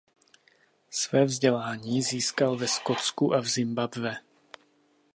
Své vzdělání získal ve Skotsku a v Zimbabwe.